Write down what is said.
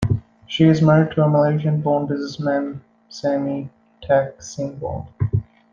She is married to Malaysian-born businessman Sammy Teck Seng Wong.